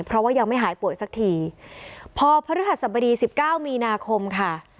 เพราะว่ายังไม่หายป่วยสักทีพอพระฤหัสบดีสิบเก้ามีนาคมค่ะ